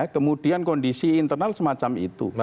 kemudian kondisi internal semacam itu